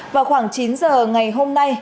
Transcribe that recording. vào khoảng chín giờ ngày hôm nay